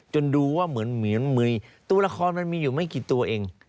ดูว่าเหมือนมุยตัวละครมันมีอยู่ไม่กี่ตัวเอง